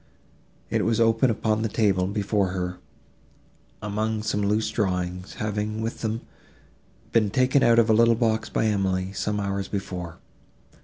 It was open upon the table, before her, among some loose drawings, having, with them, been taken out of a little box by Emily, some hours before.